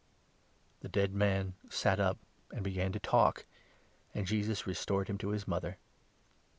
" The dead man sat up and began to talk, and Jesus restored 15 him to his mother.